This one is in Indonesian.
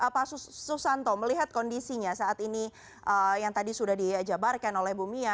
pak susanto melihat kondisinya saat ini yang tadi sudah diajabarkan oleh bumia